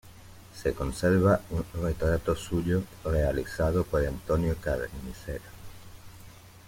Se conserva un retrato suyo realizado por Antonio Carnicero.